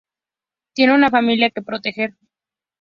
Tiene una familia que proteger.